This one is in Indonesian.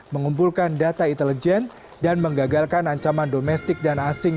mengumpulkan data intelijen dan menggagalkan ancaman domestik dan asing